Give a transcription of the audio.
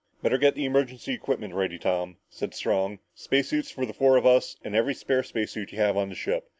"Better get the emergency equipment ready, Tom," said Strong. "Space suits for the four of us and every spare space suit you have on the ship.